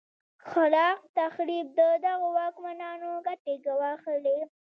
خلا ق تخریب د دغو واکمنانو ګټې ګواښلې.